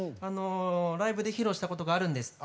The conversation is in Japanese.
ライブで披露したことがあるんですって。